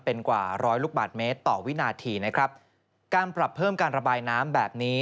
เป็นกว่าร้อยลูกบาทเมตรต่อวินาทีนะครับการปรับเพิ่มการระบายน้ำแบบนี้